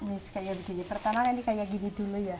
miss kayak begini pertama ini kayak gini dulu ya